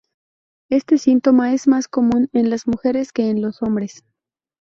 Este síntoma es más común en las mujeres que en los hombres.